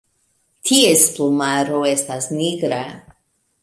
Ties plumaro estas nigra.